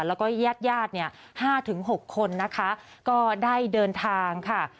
แล้วก็ญาติห้าถึงหกคนนะคะก็ได้เดินทางค่ะ